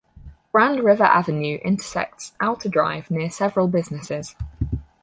Grand River Avenue intersects Outer Drive near several businesses.